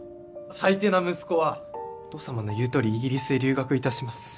最低な息子はお父様の言う通りイギリスへ留学いたします。